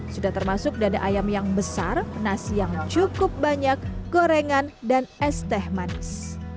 sudah termasuk dada ayam yang besar nasi yang cukup banyak gorengan dan es teh manis